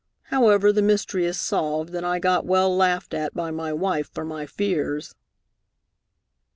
However, the mystery is solved, and I got well laughed at by my wife for my fears."